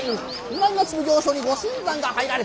南町奉行所に御新参が入られた。